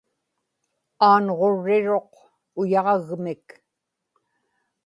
aanġurriruq uyaġagmik